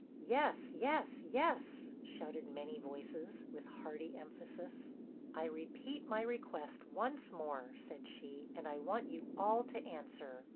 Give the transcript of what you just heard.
'Yes, yes, yes,' shouted many voices, with hearty emphasis. 'I repeat my request once more,' said she, 'and I want you all to answer.'